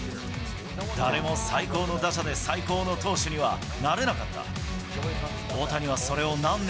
誰も最高の打者で最高の投手にはなれなかった。